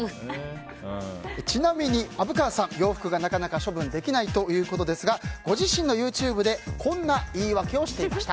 ちなみに虻川さん洋服がなかなか処分できないということですがご自身のＹｏｕＴｕｂｅでこんな言い訳をしていました。